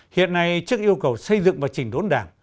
hiện nay trước yêu cầu xây dựng và chỉnh đốn đảng